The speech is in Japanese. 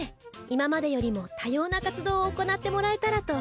今までよりも多様な活動を行ってもらえたらと。